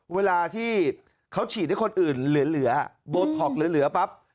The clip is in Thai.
เวลาที่เขาฉีดให้คนอื่นเหลือโบท็อกเหลือปั๊บ